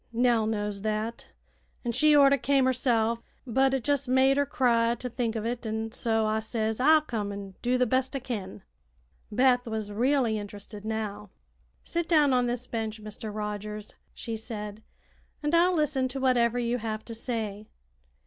Nell knows that, an' she orter came herself; but it jes' made her cry to think o' it, an' so I says I'll come an' do the best I kin." Beth was really interested now. "Sit down on this bench, Mr. Rogers," she said, "and I'll listen to whatever you have to say."